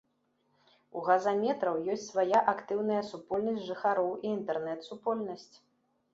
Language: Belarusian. У газаметраў ёсць свая актыўная супольнасць жыхароў і інтэрнэт-супольнасць.